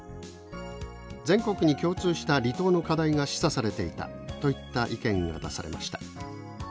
全国に共通した離島の課題が示唆されていた」といった意見が出されました。